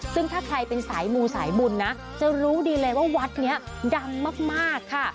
ซึ่งถ้าใครเป็นสายมูสายบุญนะจะรู้ดีเลยว่าวัดนี้ดังมากค่ะ